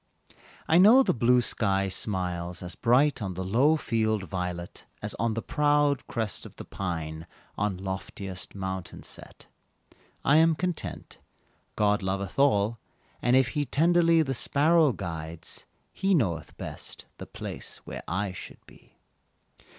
I know the blue sky smiles as bright On the low field violet, As on the proud crest of the pine On loftiest mountain set. I am content God loveth all, And if He tenderly The sparrow guides, He knoweth best The place where I should be.